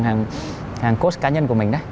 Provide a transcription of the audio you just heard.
khách hàng coach cá nhân của mình